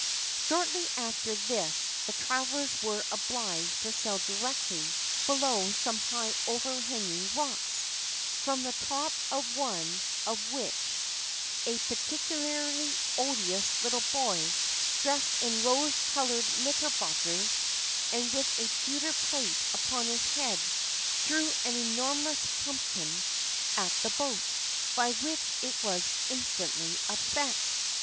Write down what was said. Shortly after this the travelers were obliged to sail directly below some high overhanging rocks, from the top of one of which a particularly odious little boy, dressed in rose colored knickerbockers, and with a pewter plate upon his head, threw an enormous pumpkin at the boat, by which it was instantly upset.